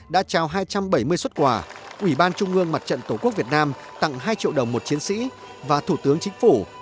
đã trao hai trăm bảy mươi xuất quà ủy ban trung ương mặt trận tổ quốc việt nam tặng hai triệu đồng một chiến sĩ và thủ tướng chính phủ